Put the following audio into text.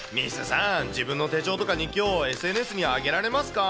さーん、自分の手帳とか日記をＳＮＳに上げられますか？